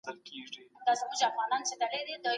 د سياست پايلو د خلګو ژوند بدل کړ.